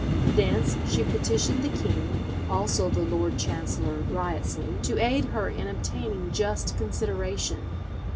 Thence she petitioned the king, also the Lord Chancellor Wriottesley, "to aid her in obtaining just consideration."